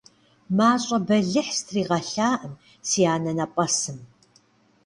Мащӏэ бэлыхь стригъэлъакъым си анэнэпӏэсым.